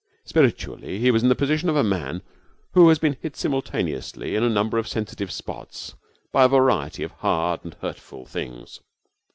Spiritually, he was in the position of a man who has been hit simultaneously in a number of sensitive spots by a variety of hard and hurtful things.